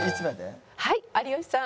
はい有吉さん。